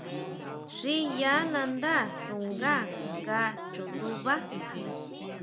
Xiya nandá xungá nga chu ndunbá.